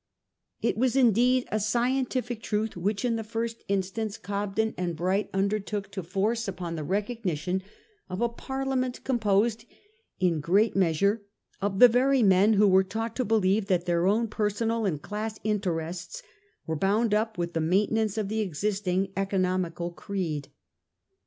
It was indeed a scientific truth which in the first instance Cobden and Bright undertook to force upon the recognition of a Parliament composed in great measure of the very men who were taught to believe that their own personal and class interests were bound up with the maintenance of the existing economical creed.